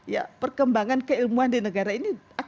ya perkembangan keilmuan di negara ini